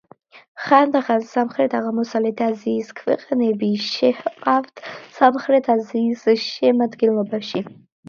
ხანდახან სამხრეთ-აღმოსავლეთ აზიის ქვეყნები შეჰყავთ სამხრეთ აზიის შემადგენლობაში.